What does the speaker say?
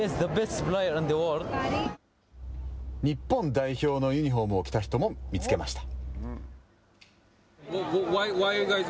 日本代表のユニホームを着た人も見つけました。